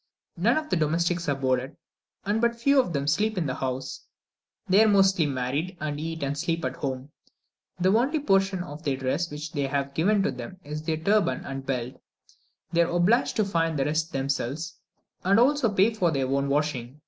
None of the domestics are boarded, and but few of them sleep in the house: they are mostly married, and eat and sleep at home. The only portion of their dress which they have given to them is their turban and belt; they are obliged to find the rest themselves, and also to pay for their own washing.